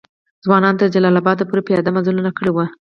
ځوانانو تر جلال آباد پوري پیاده مزلونه کړي وو.